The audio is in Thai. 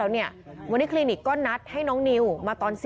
วันนี้คลินิกก็นัดให้น้องนิวมาตอน๔